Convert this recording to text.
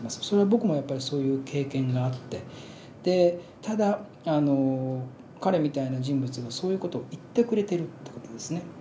それは僕もやっぱりそういう経験があってでただあの彼みたいな人物がそういう事を言ってくれてるっていう事ですね